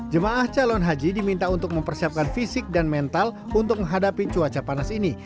jemaah calon haji diminta untuk mempersiapkan fisik dan mental untuk menghadapi cuaca panas ini